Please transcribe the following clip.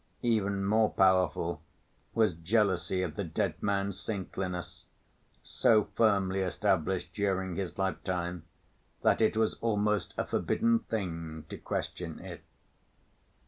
Even more powerful was jealousy of the dead man's saintliness, so firmly established during his lifetime that it was almost a forbidden thing to question it.